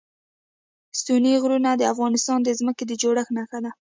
ستوني غرونه د افغانستان د ځمکې د جوړښت نښه ده.